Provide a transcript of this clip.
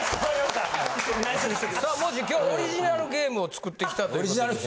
さあもう中今日オリジナルゲームを作ってきたということで。